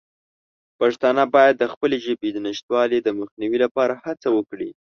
پښتانه باید د خپلې ژبې د نشتوالي د مخنیوي لپاره هڅه وکړي.